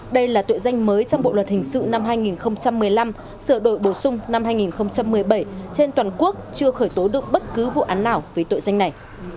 đây là tội danh mới trong bộ luật hình sự năm hai nghìn một mươi năm sửa đổi bổ sung năm hai nghìn một mươi bảy trên toàn quốc chưa khởi tố được bất cứ vụ án nào về tội danh này